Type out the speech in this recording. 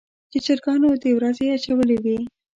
چې چرګانو د ورځې اچولې وي.